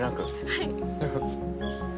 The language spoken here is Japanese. はい。